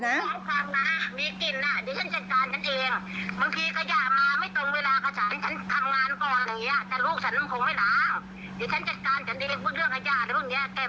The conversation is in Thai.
ขอบคุณครับมีกลิ่นน่ะเดี๋ยวฉันจัดการฉันเอง